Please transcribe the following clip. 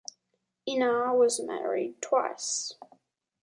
Einar was married twice.